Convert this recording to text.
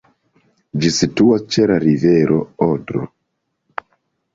Ĝi situas ĉe la rivero Odro.